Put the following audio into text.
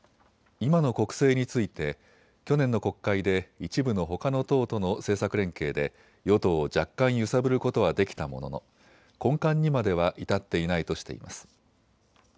今の国政について去年の国会で一部のほかの党との政策連携で与党を若干揺さぶることはできたものの根幹にまでは至っていないとしています。